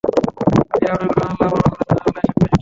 ফিরআউনের ঘটনা আল্লাহ বর্ণনা করেছেন আর আল্লাহর সাক্ষ্যই যথেষ্ট।